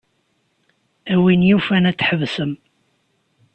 A win yufan ad tḥebsem.